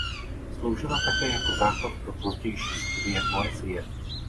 Sloužila také jako základ pro pozdější studie poezie.